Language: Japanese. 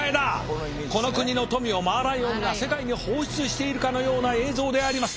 この国の富をマーライオンが世界に放出しているかのような映像であります。